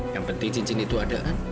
yang penting cincin itu ada kan